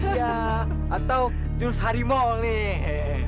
iya atau dus harimau nih